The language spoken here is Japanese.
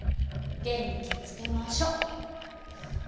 元気つけましょっ